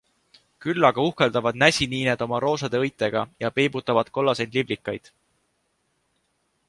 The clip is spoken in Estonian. Küll aga uhkeldavad näsiniined oma roosade õitega ja peibutavad kollaseid liblikaid.